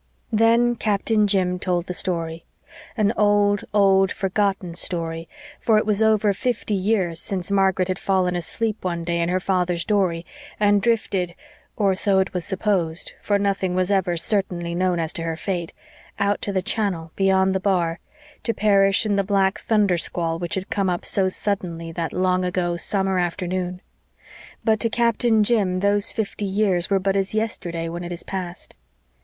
Then Captain Jim told the story an old, old forgotten story, for it was over fifty years since Margaret had fallen asleep one day in her father's dory and drifted or so it was supposed, for nothing was ever certainly known as to her fate out of the channel, beyond the bar, to perish in the black thundersquall which had come up so suddenly that long ago summer afternoon. But to Captain Jim those fifty years were but as yesterday when it is past.